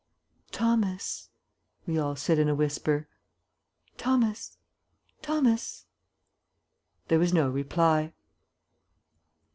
"Thomas," we all said in a whisper, "Thomas, Thomas." There was no reply.